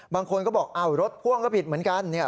บางคนก็บอกอ้าวรถพ่วงก็ผิดเหมือนกันเนี่ย